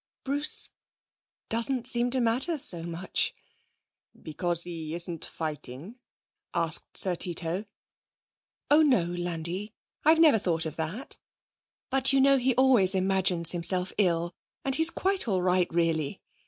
'Bruce doesn't seem to matter so much.' 'Because he isn't fighting?' asked Sir Tito. 'Oh no, Landi! I never thought of that. But you know he always imagines himself ill, and he's quite all right really.